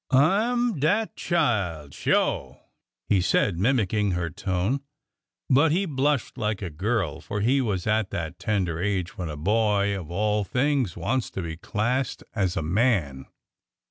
j '' I 'm dat chile, sho' !'' he said, mimicking her tone ; I but he blushed like a girl, for he was at that tender age | when a boy of all things wants to be classed as a man.